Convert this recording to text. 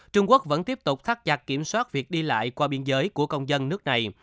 trung quốc vẫn tiếp tục thắt chặt kiểm soát việc đi lại qua biên giới của công dân nước này